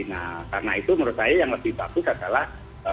nah karena itu menurut saya yang lebih bagus adalah